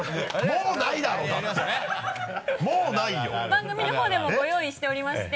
番組の方でもご用意しておりまして。